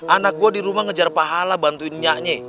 anak gue di rumah ngejar pahala bantuin nyanyi